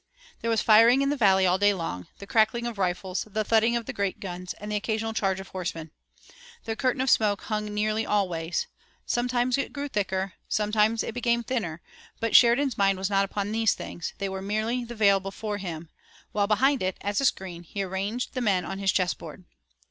There was firing in the valley all day long, the crackling of the rifles, the thudding of the great guns, and the occasional charge of horsemen. The curtain of smoke hung nearly always. Sometimes it grew thicker, and sometimes it became thinner, but Sheridan's mind was not upon these things, they were merely the veil before him, while behind it, as a screen, he arranged the men on his chess board.